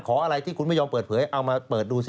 อะไรที่คุณไม่ยอมเปิดเผยเอามาเปิดดูสิ